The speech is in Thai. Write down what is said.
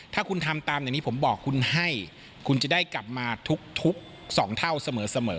ถ้าคุณทำตามอย่างที่ผมบอกคุณให้คุณจะได้กลับมาทุก๒เท่าเสมอ